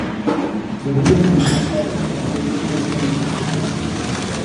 Berriro ere itsasoratu eta hego-ekialdera jo zuen.